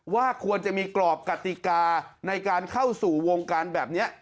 ว่าควรจะมีกรอบกติกาในการเข้าสู่วงการแบบนี้